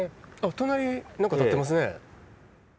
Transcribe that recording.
隣になんか建ってますね。